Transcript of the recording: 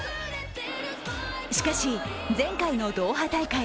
しかし、前回のドーハ大会。